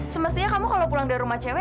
semestinya kamu kalau pulang dari rumah cewek